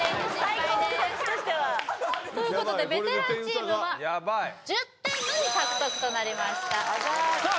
最高こっちとしてはということでベテランチームはヤバい１０点のみ獲得となりましたさあ